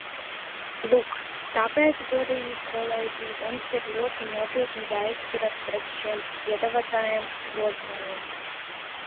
Lūk, tāpēc, godājamie kolēģi, mums ir ļoti nopietni jāizturas pret šiem piedāvātajiem grozījumiem.